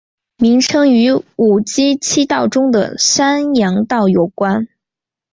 名称与五畿七道中的山阳道有关。